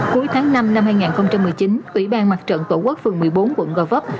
cuối tháng năm năm hai nghìn một mươi chín ủy ban mặt trận tổ quốc phường một mươi bốn quận gò vấp